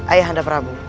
ayah anda prabu